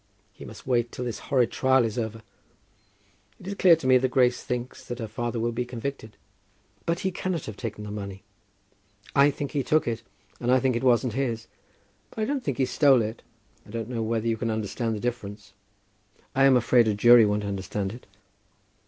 He must wait till this horrid trial is over. It is clear to me that Grace thinks that her father will be convicted." "But he cannot have taken the money." "I think he took it, and I think it wasn't his. But I don't think he stole it. I don't know whether you can understand the difference." "I am afraid a jury won't understand it."